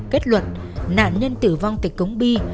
kết luận nạn nhân tử vong tại cống bi